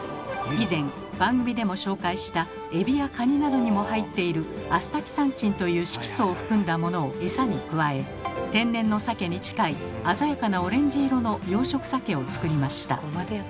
以前番組でも紹介したエビやカニなどにも入っているアスタキサンチンという色素を含んだものをエサに加え天然の鮭に近い鮮やかなオレンジ色の養殖鮭をつくりました。